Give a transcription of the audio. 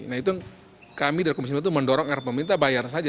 nah itu kami dari komisi sembilan itu mendorong agar pemerintah bayar saja